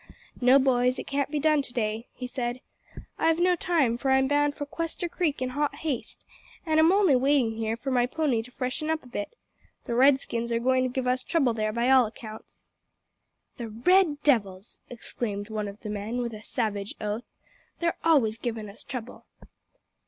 "No, boys, it can't be done to day," he said; "I've no time, for I'm bound for Quester Creek in hot haste, an' am only waitin' here for my pony to freshen up a bit. The Redskins are goin' to give us trouble there by all accounts." "The red devils!" exclaimed one of the men, with a savage oath; "they're always givin' us trouble."